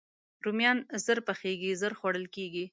رومیان ژر پخېږي، ژر خوړل کېږي